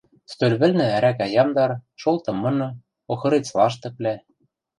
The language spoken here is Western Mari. стӧл вӹлнӹ ӓрӓкӓ ямдар, шолтым мыны, охырец лаштыквлӓ.